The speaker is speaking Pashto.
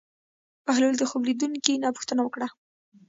بهلول د خوب لیدونکي نه پوښتنه وکړه.